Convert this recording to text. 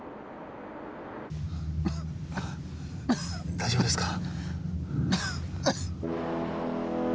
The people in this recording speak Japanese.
大丈夫ですか？